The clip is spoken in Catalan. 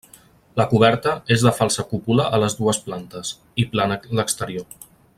La coberta és de falsa cúpula a les dues plantes, i plana l'exterior.